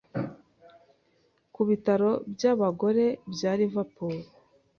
ku bitaro by'abagore bya Liverpool